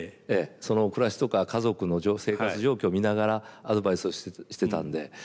その暮らしとか家族の生活状況見ながらアドバイスをしてたんで。